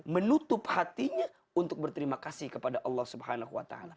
menutup hatinya untuk berterima kasih kepada allah swt